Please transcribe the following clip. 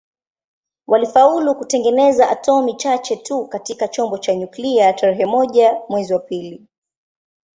Walifaulu kutengeneza atomi chache tu katika chombo cha nyuklia tarehe moja mwezi wa pili